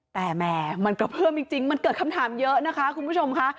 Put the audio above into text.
แต่แหม่มันกระเพื่อมจริงมันเกิดคำถามเยอะนะคะคุณผู้ชมค่ะ